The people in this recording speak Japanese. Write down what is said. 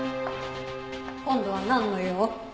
今度はなんの用？